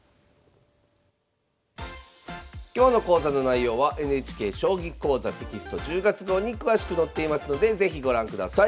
今日の講座の内容はＮＨＫ「将棋講座」テキスト１０月号に詳しく載っていますので是非ご覧ください。